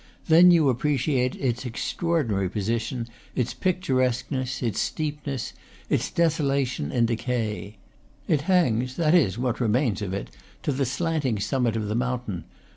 Then you appreciate its extraordinary position, its picturesque ness, its steepness, its desolation and decay. It hangs that is, what remains of it to the slanting summit of the mountain.